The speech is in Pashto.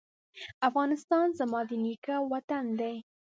افغانستان زما د نیکه وطن دی؟